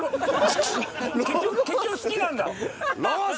結局好きなんだ。